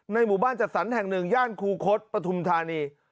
หมู่บ้านจัดสรรแห่งหนึ่งย่านคูคศปฐุมธานี